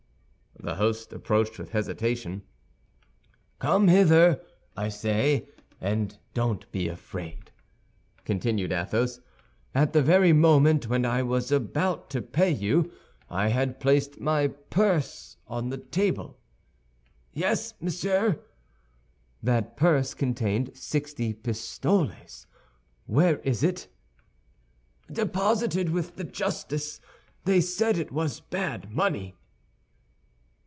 The host approached with hesitation. "Come hither, I say, and don't be afraid," continued Athos. "At the very moment when I was about to pay you, I had placed my purse on the table." "Yes, monsieur." "That purse contained sixty pistoles; where is it?" "Deposited with the justice; they said it was bad money."